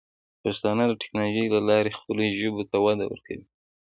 پښتانه د ټیکنالوجۍ له لارې خپلو ژبو ته وده ورکوي.